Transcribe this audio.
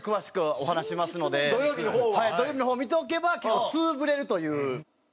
土曜日の方を見ておけば結構通ぶれるという。